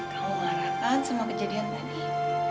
kamu mengharapkan sama kejadian tadi